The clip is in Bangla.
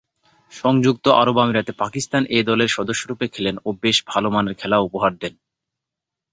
সংযুক্ত আরব আমিরাতে পাকিস্তান এ দলের সদস্যরূপে খেলেন ও বেশ ভালোমানের খেলা উপহার দেন।